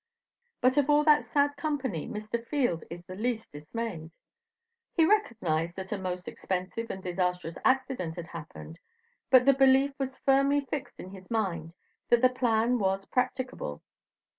But of all that sad company, Mr. Field is the least dismayed. He recognized that a most expensive and disastrous accident had happened; but the belief was firmly fixed in his mind that the plan was practicable.